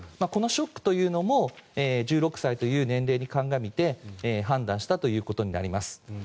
このショックというのも１６歳という年齢を鑑みて判断したということになります。